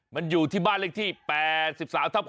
มันอยู่ที่บ้านเลขที่๘๓ทับ๖